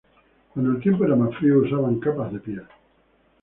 Cuando el tiempo era más frío, usaban capas de piel.